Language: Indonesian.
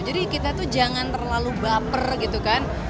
jadi kita tuh jangan terlalu baper gitu kan